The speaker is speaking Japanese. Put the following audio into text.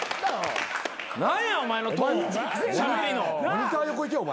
モニター横行けお前。